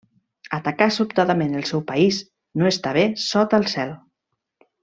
Atacar sobtadament el seu país no està bé sota el cel.